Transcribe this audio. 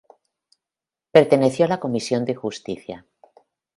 Perteneció a la comisión de justicia.